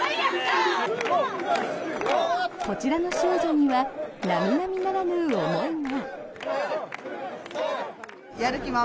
こちらの少女には並々ならぬ思いが。